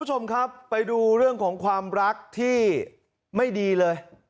คุณผู้ชมครับไปดูเรื่องของความรักที่ไม่ดีเลย